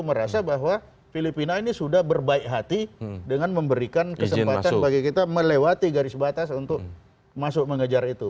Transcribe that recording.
merasa bahwa filipina ini sudah berbaik hati dengan memberikan kesempatan bagi kita melewati garis batas untuk masuk mengejar itu